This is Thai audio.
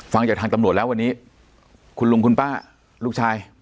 ฟังจากทางตำรวจแล้ววันนี้คุณลุงคุณป้าลูกชาย